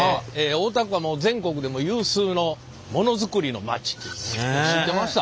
大田区は全国でも有数のモノづくりのまちって知ってました？